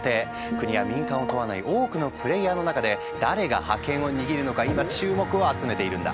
国や民間を問わない多くのプレーヤーの中で誰が覇権を握るのか今注目を集めているんだ。